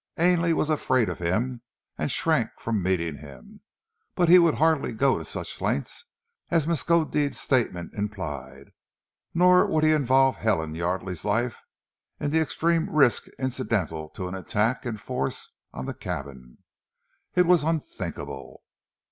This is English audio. Ainley was afraid of him and shrank from meeting him, but he would hardly go to such lengths as Miskodeed's statement implied; nor would he involve Helen Yardely's life in the extreme risk incidental to an attack in force on the cabin. It was unthinkable!